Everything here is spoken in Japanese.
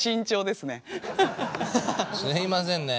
すみませんね。